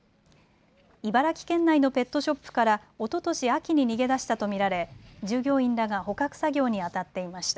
茨城県内のペットショップからおととし秋に逃げ出したと見られ従業員らが捕獲作業にあたっていました。